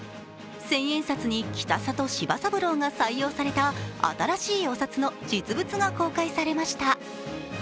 千円札に北里柴三郎が採用された新しいお札の実物が公開されました。